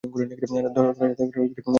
দরজার কাছ থেকে আবার ফিরে আসবেন না।